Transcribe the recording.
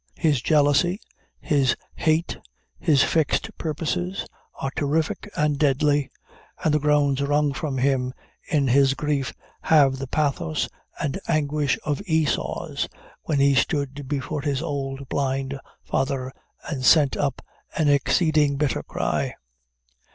His jealousy, his hate, his fixed purposes, are terrific and deadly; and the groans wrung from him in his grief have the pathos and anguish of Esau's, when he stood before his old, blind father, and sent up "an exceeding bitter cry."